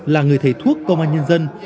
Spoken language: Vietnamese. là người thầy thuốc công an nhân dân